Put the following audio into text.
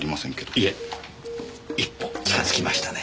いえ一歩近づきましたね。